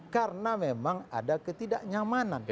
karena memang ada ketidaknyamanan